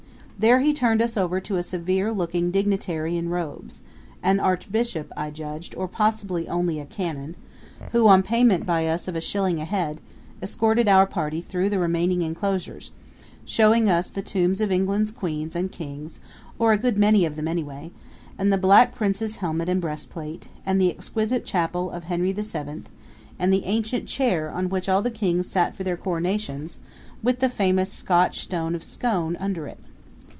There he turned us over to a severe looking dignitary in robes an archbishop, I judged, or possibly only a canon who, on payment by us of a shilling a head, escorted our party through the remaining inclosures, showing us the tombs of England's queens and kings, or a good many of them anyway; and the Black Prince's helmet and breastplate; and the exquisite chapel of Henry the Seventh, and the ancient chair on which all the kings sat for their coronations, with the famous Scotch Stone of Scone under it.